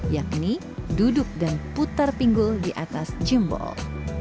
yakni duduk dan putar pinggul di atas jembol